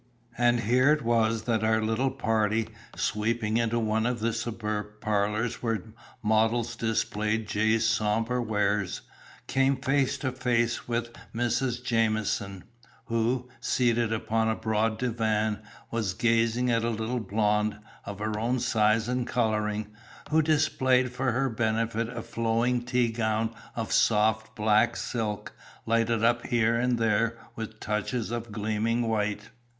And here it was that our little party, sweeping into one of the superb parlours where models display Jay's sombre wares, came face to face with Mrs. Jamieson, who, seated upon a broad divan, was gazing at a little blonde, of her own size and colouring, who displayed for her benefit a flowing tea gown of soft, black silk, lighted up here and there with touches of gleaming white.